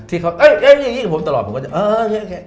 ที่เขาเอ๊ะเอ๊ะอย่างงี้กับผมตลอดผมก็จะเออโอเคโอเค